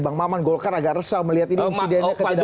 bang maman golkar agak resah melihat ini insidennya ketidakprofesional